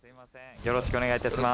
よろしくお願いします。